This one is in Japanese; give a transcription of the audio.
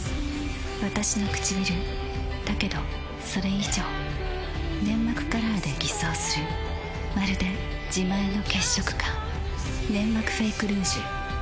わたしのくちびるだけどそれ以上粘膜カラーで偽装するまるで自前の血色感「ネンマクフェイクルージュ」